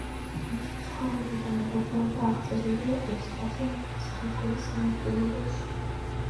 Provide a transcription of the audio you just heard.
მისი ცხოვრება და მოღვაწეობა აღწერილია „ევსტათი მცხეთელის მარტვილობაში“.